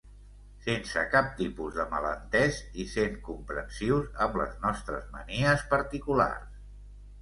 Sense cap tipus de malentés i sent comprensius amb les nostres manies particulars.